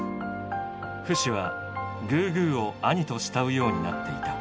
フシはグーグーを「兄」と慕うようになっていた。